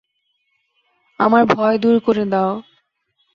আমার ভয় দূর করে দাও।